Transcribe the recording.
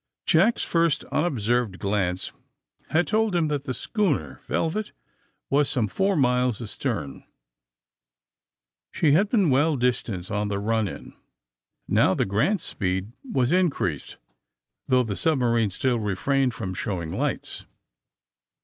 '' Jack's first unobserved glance had told him that the schooner *^ Velvet" was some four miles astern. She had been well distanced on the run in. Now the *' Grant's" speed was increased, though the submarine still refrained from show ing lights.